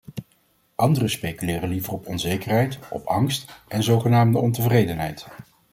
Anderen speculeren liever op onzekerheid, op angst en zogenaamde ontevredenheid.